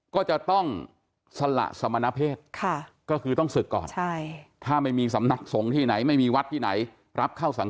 ก็จะต้องสละสมณเพศก็คือต้องศึกก่อน